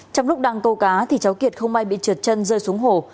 trong lúc đang câu cá thì cháu kiệt không may bị trượt chân rơi xuống hồ